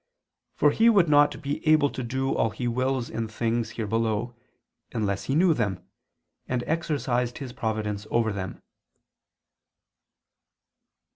For He would not be able to do all He wills in things here below, unless He knew them, and exercised His providence over them.